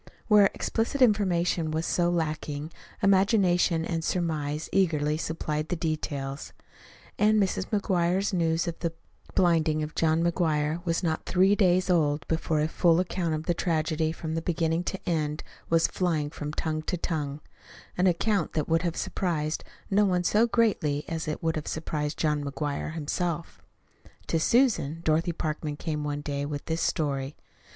Where explicit information was so lacking, imagination and surmise eagerly supplied the details; and Mrs. McGuire's news of the blinding of John McGuire was not three days old before a full account of the tragedy from beginning to end was flying from tongue to tongue an account that would have surprised no one so greatly as it would have surprised John McGuire himself. To Susan, Dorothy Parkman came one day with this story.